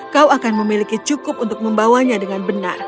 kau akan memiliki cukup untuk membawanya dengan benar